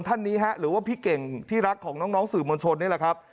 ท่านนี้ฮะหรือว่าพี่เก่งที่รักของน้องสื่อมวลชนนี่แหละครับ